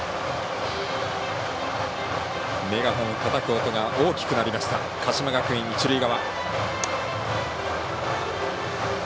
メガホンをたたく音が大きくなりました鹿島学園、一塁側。